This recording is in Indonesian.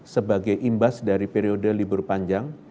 sebagai imbas dari periode libur panjang